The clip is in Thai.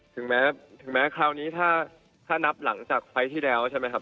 ถึงแม้ถึงแม้คราวนี้ถ้านับหลังจากไฟส์ที่แรกใช่มั้ยครับ